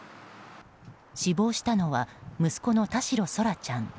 死亡したのは息子の田代空来ちゃん。